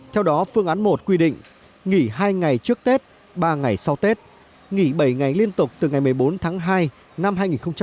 theo đó phương án một quy định nghỉ hai ngày trước tết ba ngày sau tết nghỉ bảy ngày liên tục từ ngày một mươi bốn tháng hai năm hai nghìn hai mươi